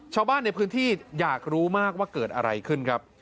ชาวบ้านในพื้นที่อยากรู้มากว่าเกิดอะไรขึ้นครับ